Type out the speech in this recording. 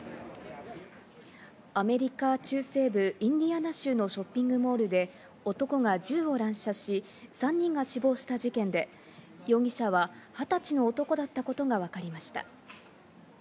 アメリカ中西部、インディアナ州のショッピングモールで男が銃を乱射し、３人が死亡した事件で、容疑者は２０歳の男だったことがわかりました。